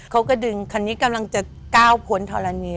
เขาก็ดึงคันนี้กำลังจะก้าวพ้นธรณี